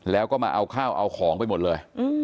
แล้วก็มาเอาข้าวเอาของไปหมดเลย